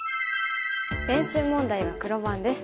練習問題は黒番です。